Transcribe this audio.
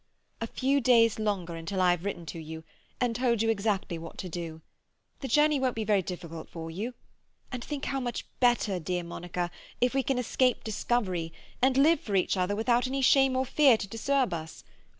A few days longer, until I have written to you, and told you exactly what to do. The journey won't be very difficult for you; and think how much better, dear Monica, if we can escape discovery, and live for each other without any shame or fear to disturb us.